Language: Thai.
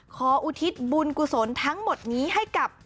อุทิศบุญกุศลทั้งหมดนี้ให้กับ